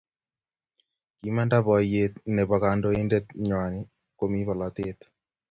Kimanda moiyet nebo kandoindet nywani komi polatet